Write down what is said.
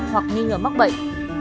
hoặc nghi ngờ mắc bệnh